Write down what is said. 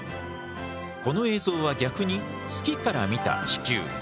この映像は逆に月から見た地球。